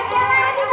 kami mau jalan jalan